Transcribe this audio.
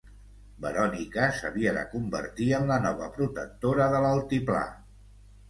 Verònica s'havia de convertir en la nova Protectora de l'Altiplà.